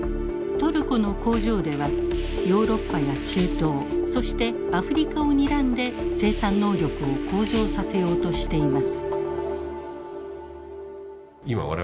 トルコの工場ではヨーロッパや中東そしてアフリカをにらんで生産能力を向上させようとしています。